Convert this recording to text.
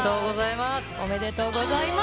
おめでとうございます。